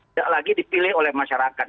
tidak lagi dipilih oleh masyarakat